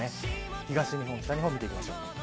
東日本、北日本を見ていきましょう。